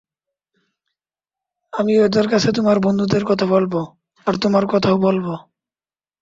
আমি ওদের কাছে তোমার বন্ধুদের কথা বলব, আর তোমার কথাও বলব।